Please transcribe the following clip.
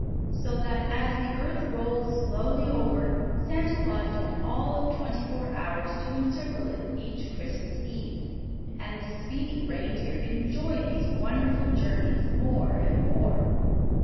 So that as the earth rolled slowly over Santa Claus had all of twenty four hours to encircle it each Christmas Eve, and the speedy reindeer enjoyed these wonderful journeys more and more.